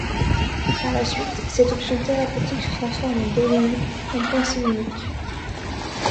Par la suite, cette option thérapeutique se transforme en dogme, en pensée unique.